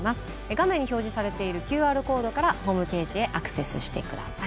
画面に表示されているＱＲコードからホームページへアクセスしてください。